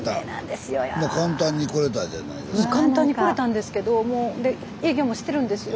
スタジオ簡単に来れたんですけどで営業もしてるんですよ。